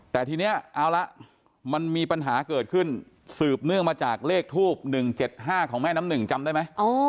แต่ทีนี้เอาละมันมีปัญหาเกิดขึ้นสืบเนื่องมาจากเลขทูบ๑๗๕ของแม่น้ำหนึ่งจำได้ไหม